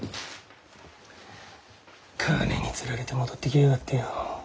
金に釣られて戻ってきやがってよ。